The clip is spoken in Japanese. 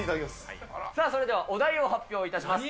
それではお題を発表いたします。